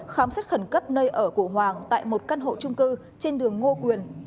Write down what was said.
khám xét khẩn cấp nơi ở của hoàng tại một căn hộ trung cư trên đường ngô quyền